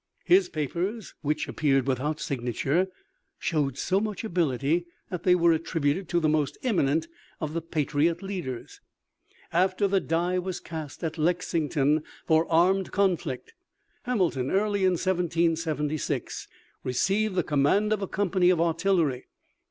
His papers, which appeared without signature, showed so much ability that they were attributed to the most eminent of the patriot leaders. After the die was cast at Lexington for armed conflict, Hamilton early in 1776 received the command of a company of artillery.